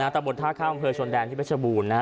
ตำบลท่าข้ามเผยชนแดนที่พระชบูรณ์นะฮะ